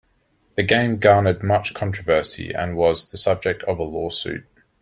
The game garnered much controversy and was the subject of a lawsuit.